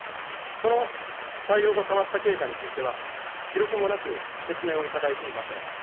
その対応が変わった経過については、記録もなく、説明をいただいていません。